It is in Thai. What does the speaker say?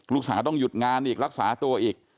ลูกสาวต้องหยุดงานอีกรักษาตัวอีก